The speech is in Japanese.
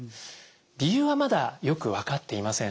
理由はまだよく分かっていません。